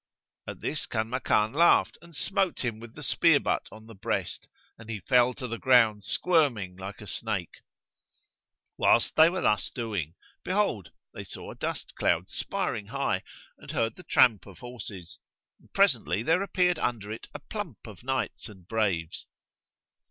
At this Kanmakan laughed and smote him with the spear butt on the breast, and he fell to the ground squirming like a snake. Whilst they were thus doing, behold, they saw a dust cloud spireing high and heard the tramp of horses; and presently there appeared under it a plump of knights and braves.